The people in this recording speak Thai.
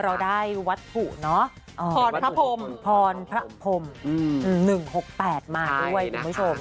เราได้วัดผู่พรพรภม๑๖๘มาถ้วยคุณผู้ชม